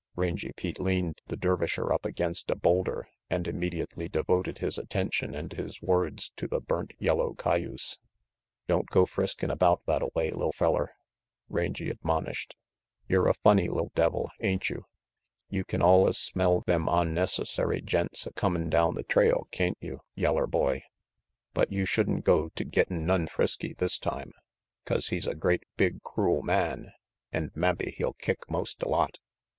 Rangy Pete leaned the Dervisher up against a boulder and immediately devoted his attention and his words to the burnt yellow cayuse. "Don't go friskin' around thattaway, li'l feller," Rangy admonished. "Yer a funny li'l devil, ain't you? You kin allus smell them onnecessary gents a comin' down the trail, cain't you, yeller boy? RANGY PETE 87 But you should'n go to gettin' none frisky this time, 'cause he's a great big, crool man, an' mabbe he'll kick most a lot.